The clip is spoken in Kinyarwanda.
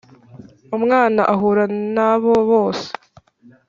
umwana ahura na bo bose.